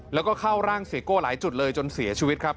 แล้วก็เข้าร่างเสียโก้หลายจุดเลยจนเสียชีวิตครับ